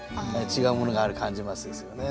違うものがある感じますですよね。